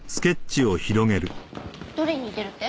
どれに似てるって？